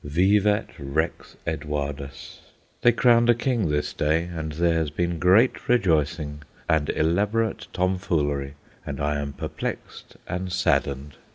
Vivat Rex Eduardus! They crowned a king this day, and there has been great rejoicing and elaborate tomfoolery, and I am perplexed and saddened.